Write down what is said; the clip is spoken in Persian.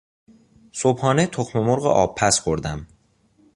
صبحانه تخم مرغ آبپز خوردم.